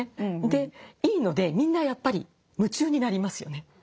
でいいのでみんなやっぱり夢中になりますよね。